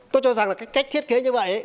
tôi cho rằng là cái cách thiết kế như vậy